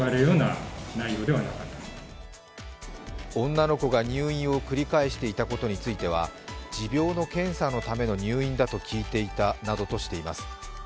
女の子が入院を繰り返していたことについては持病の検査のための入院だと聞いていたなどとしています。